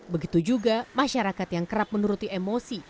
begitu juga masyarakat yang kerap menuruti emosi